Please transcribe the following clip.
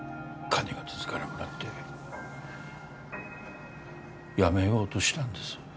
金が続かなくなってやめようとしたんです